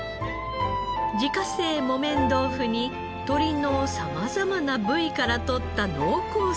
自家製木綿豆腐に鶏の様々な部位からとった濃厚スープ。